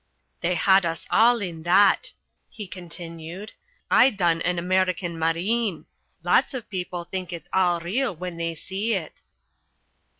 "They had us all in that," he continued. "I done an American Marine. Lots of people think it all real when they see it."